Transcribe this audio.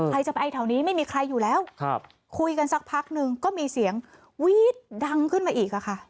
ใครจะไปแถวนี้ไม่มีใครอยู่แล้วคุยกันสักพักนึงก็มีเสียงวี๊ดดังขึ้นมาอีกค่ะ